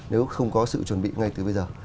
nếu không có sự chuẩn bị ngay từ bây giờ